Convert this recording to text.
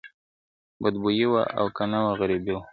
بد بویي وه او که نه وه غریبي وه ..